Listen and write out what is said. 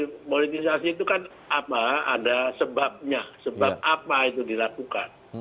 nah politisasi itu kan apa ada sebabnya sebab apa itu dilakukan